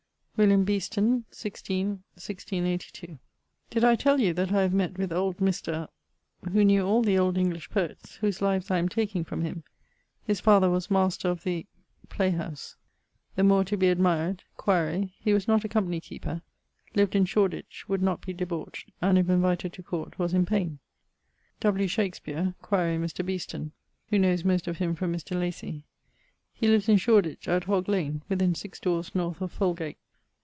=William Beeston= (16.. 1682). Did I tell you that I have mett with old Mr ... who knew all the old English poets, whose lives I am taking from him: his father was master of the ... play house. The more to be admired, quaere he was not a company keeper; lived in Shorditch; would not be debauched; and if invited to court, was in paine. W. Shakespeare quaere Mr. Beeston, who knowes most of him from Mr. Lacy. He lives in Shoreditch at Hoglane within 6 dores north of Folgate.